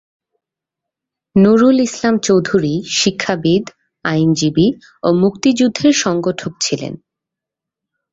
নুরুল ইসলাম চৌধুরী শিক্ষাবিদ, আইনজীবী ও মুক্তিযুদ্ধের সংগঠক ছিলেন।